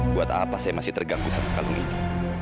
buat apa saya masih terganggu sama kalung ini